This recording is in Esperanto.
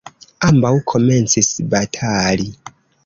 Ambaŭ komencis batali.